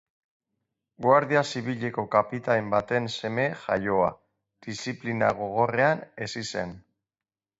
Guardia Zibileko kapitain baten seme jaioa, diziplina gogorrean hezi zen.